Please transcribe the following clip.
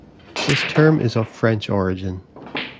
The term is of French origin.